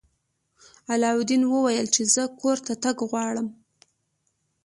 علاوالدین وویل چې زه کور ته تګ غواړم.